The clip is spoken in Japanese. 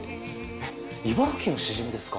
えっ茨城のシジミですか？